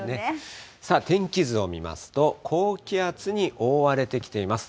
天気図を見ますと、高気圧に覆われてきています。